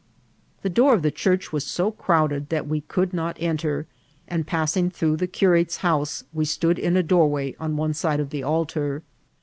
The door of the church was so crowded that we could not enter ; and passing through the curate's house, we stood in a docnrway on one side of the altar.